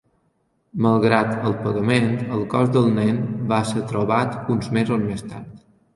Malgrat el pagament, el cos del nen va se trobat uns mesos més tard.